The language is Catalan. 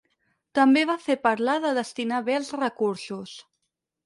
També va fer parlar de destinar bé els recursos.